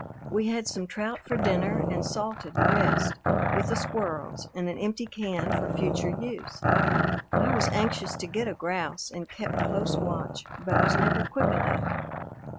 We had some trout for dinner and salted the rest with the squirrels in an empty can for future use. I was anxious to get a grouse and kept close watch, but was never quick enough.